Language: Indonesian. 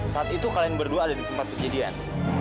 saat itu kalian berdua ada di tempat kejadian